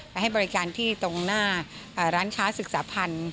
ให้บริการที่ตรงหน้าร้านค้าศึกษาพันธ์